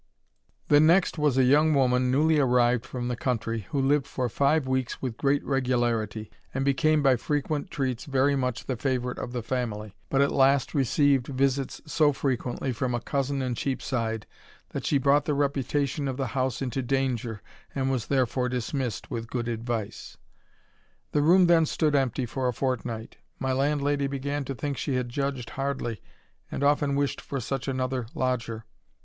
The next was a young woman newly arrived from thi country, who lived for five weeks with great regularity, an became by frequent treats very much the favourite of thi family, but at last received visits so frequently from a cousirs. in Cheapside, that she brought the reputation of the house into danger, and was therefore dismissed with good advice. The room then stood empty for a fortnight : my landlady began to think she had judged hardly, and often wished for such another lodger.